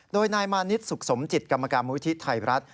โดยนายมานิสสุขสมจิตกรรมกรมมุยที่ไทยรัฐ